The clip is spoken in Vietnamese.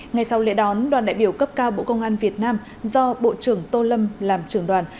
ngày sau lễ đón đoàn đại biểu cấp cao bộ công an việt nam do bộ trưởng tô lâm làm trưởng đoàn